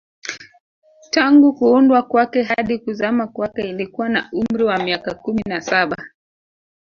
Tangu kuundwa kwake hadi kuzama kwake ilikuwa na umri wa miaka kumi na saba